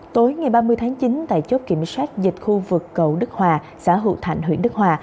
tối ngày ba mươi tháng chín tại chốt kiểm soát dịch khu vực cầu đức hòa xã hữu thạnh huyện đức hòa